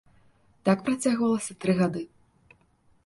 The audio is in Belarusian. Так працягвалася тры гады.